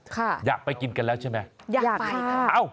อยากไปกินกันแล้วใช่ไหมอยากไปค่ะเอ้า